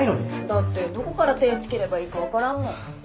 だってどこから手つければいいか分からんもん。